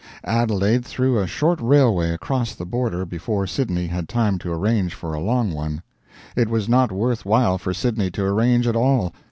Adelaide threw a short railway across the border before Sydney had time to arrange for a long one; it was not worth while for Sydney to arrange at all.